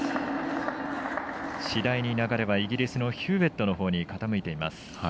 次第に流れはイギリスのヒューウェットのほうに傾いています。